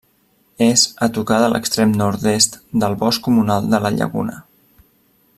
És a tocar de l'extrem nord-est del Bosc Comunal de la Llaguna.